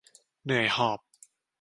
เหนื่อยหอบ